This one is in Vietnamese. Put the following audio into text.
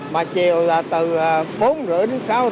mà chiều là từ bốn h ba mươi đến sáu h ba mươi